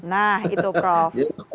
nah itu prof